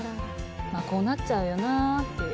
まぁこうなっちゃうよなっていう。